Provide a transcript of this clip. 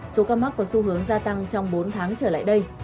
số ca mắc có xu hướng gia tăng trong bốn tháng trở lại đây